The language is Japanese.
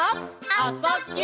「あ・そ・ぎゅ」